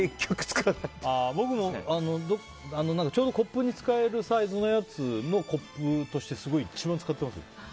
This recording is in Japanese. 僕も、ちょうどコップに使えるサイズのやつをコップとして使ってますよ